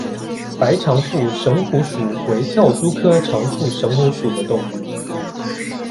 白长腹蝇虎属为跳蛛科长腹蝇虎属的动物。